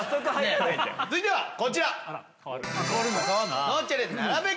続いてはこちら。